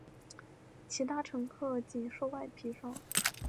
其他乘客仅受皮外伤。